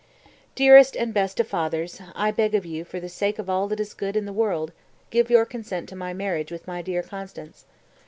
237. "Dearest and best of fathers: I beg of you, for the sake of all that is good in the world, give your consent to my marriage with my dear Constanze.